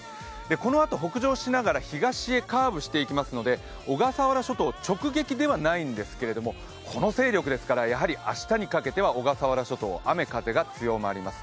このあと北上しながら東へカーブしていきますので、小笠原諸島直撃ではないんですけれどもこの勢力ですからやはり明日にかけては小笠原諸島雨、風が強まります。